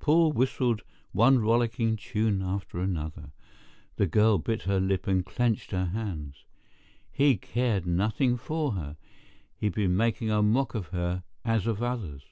Paul whistled one rollicking tune after another. The girl bit her lips and clenched her hands. He cared nothing for her—he had been making a mock of her as of others.